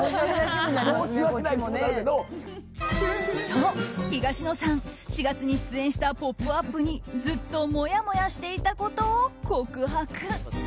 と、東野さん、４月に出演した「ポップＵＰ！」にずっともやもやしていたことを告白。